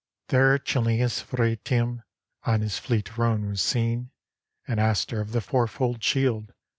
There Cilnius of Arretium On his fleet roan was seen; And Astur of the fourfold shield.